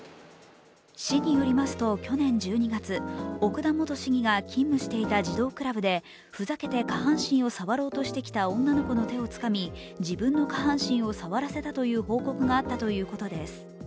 市によりますと去年１２月奥田元市議が勤務していた児童クラブでふざけて下半身を触ろうとしてきた女の子の手をつかみ、自分の下半身を触らせたという報告があったということです。